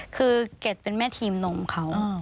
คือเกดเป็นแม่ทีมนมเขา